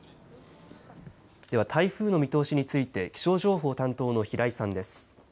では台風の見通しについて気象情報担当の平井さんです。